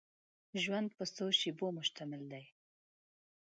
ژوند په څو شېبو مشتمل دی.